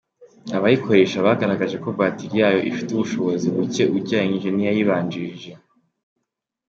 Abayikoresha bagaragaje ko batiri yayo ifite ubushobozi buke ugereranije n’iyayibanjirije.